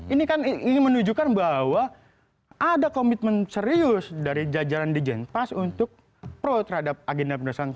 ini kan ingin menunjukkan bahwa ada komitmen serius dari jajaran di jenpas untuk pro terhadap agenda penulisan